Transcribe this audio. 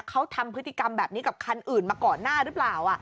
เขาทำพฤติกรรมแบบนี้กับคันอื่นมาก่อนหน้าหรือเปล่า